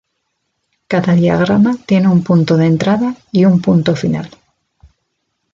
Cada diagrama tiene un punto de entrada y un punto final.